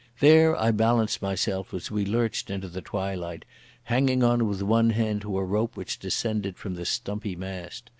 There I balanced myself, as we lurched into the twilight, hanging on with one hand to a rope which descended from the stumpy mast.